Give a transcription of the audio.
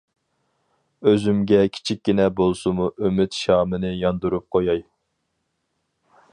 ئۆزۈمگە كىچىككىنە بولسىمۇ ئۈمىد شامىنى ياندۇرۇپ قوياي.